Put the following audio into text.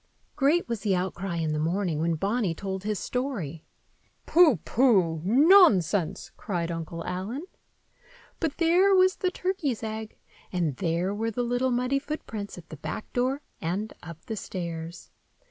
Great was the outcry in the morning when Bonny told his story. "Pooh! pooh! nonsense!" cried Uncle Allen. But there was the turkey's egg, and there were the little muddy footprints at the back door and up the stairs.